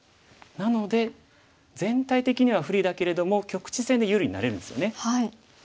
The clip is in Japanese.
なので全体的には不利だけれども局地戦で有利になれるんですよね。